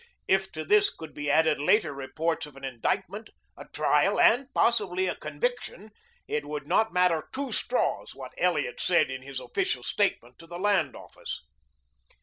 If to this could be added later reports of an indictment, a trial, and possibly a conviction, it would not matter two straws what Elliot said in his official statement to the Land Office.